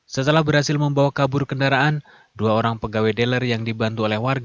setelah berhasil membawa kabur kendaraan dua orang pegawai dealer yang dibantu oleh warga